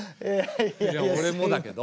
いやおれもだけど。